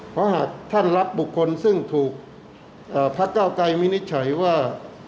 เพราะหากท่านรับบุคคลซึ่งถูกพระเก้าไกรวินิจฉัยว่า